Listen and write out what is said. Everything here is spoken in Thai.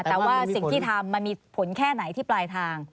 แต่ว่าสิ่งที่ทำมันมีผลแค่ไหนที่ปลายทาง